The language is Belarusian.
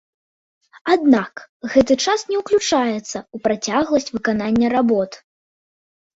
Аднак гэты час не ўключаецца ў працягласць выканання работ.